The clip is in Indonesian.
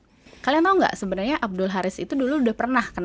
tapi kalian tau gak sebenarnya abdul haris itu dulu udah pernah kena